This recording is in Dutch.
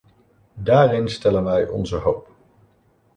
Daarin stellen wij onze hoop.